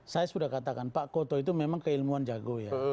saya sudah katakan pak koto itu memang keilmuan jago ya